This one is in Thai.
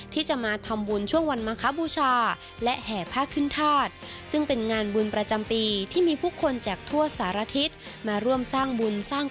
ที่จะมาทำบุญช่วงวันมหาบูชาและแห่พระขึ้นธาตุ